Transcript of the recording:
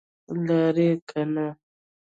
لاړې که نه؟